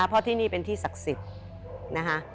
เพราะที่นี่เป็นที่ศักดิ์ศิษย์